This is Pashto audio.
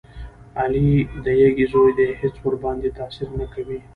علي د یږې زوی دی هېڅ ورباندې تاثیر نه کوي.